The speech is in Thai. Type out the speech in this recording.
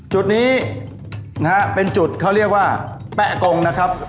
จุดนี้นะฮะเป็นจุดเขาเรียกว่าแป๊ะกงนะครับ